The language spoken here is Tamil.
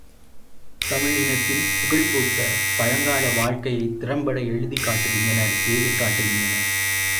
தமிழ் இனத்தின் புகழ்பூத்த பழங்கால வாழ்க்கையைத் திறம்பட எழுதிக் காட்டுகின்றனர் பேசிக்காட்டுகின்றனர்.